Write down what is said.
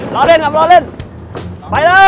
รอเล่นครับรอเล่นไปเลย